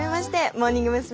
モーニング娘。